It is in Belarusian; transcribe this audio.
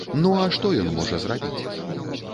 Ну, а што ён можа зрабіць?